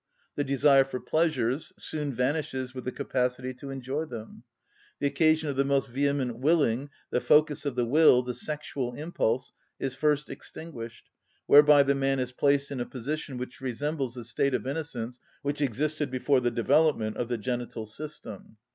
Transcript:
The desire for pleasures soon vanishes with the capacity to enjoy them. The occasion of the most vehement willing, the focus of the will, the sexual impulse, is first extinguished, whereby the man is placed in a position which resembles the state of innocence which existed before the development of the genital system.